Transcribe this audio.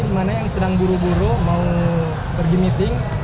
mana yang sedang buru buru mau pergi meeting